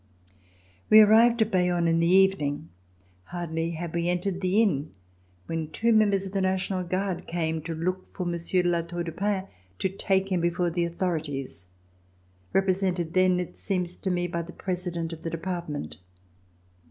We arrived at Bayonne in the evening. Hardly had we entered the inn when two members of the National Guard came to look for Monsieur de La Tour du Pin to take him before the authorities, represented then, it seems to me, by the President of the Department.